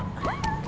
terima kasih lo